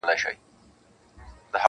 مرګه ونیسه لمنه چي در لوېږم-